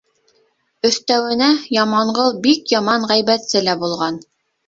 Өҫтәүенә, Яманғол бик яман ғәйбәтсе лә булған.